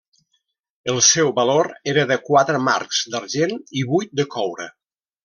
El seu valor era de quatre marcs d'argent i vuit de coure.